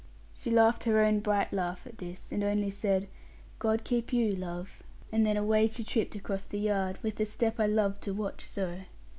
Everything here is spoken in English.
She laughed her own bright laugh at this, and only said, 'God keep you, love!' and then away she tripped across the yard, with the step I loved to watch so.